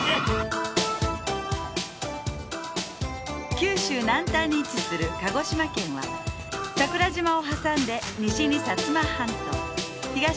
九州南端に位置する鹿児島県は桜島を挟んで西に薩摩半島東に大隅半島があります